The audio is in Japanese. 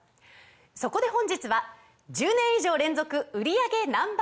そこで本日は１０年以上連続売り上げＮｏ．１